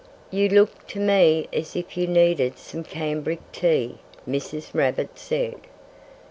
"You look to me as if you needed some cambric tea," Mrs. Rabbit said.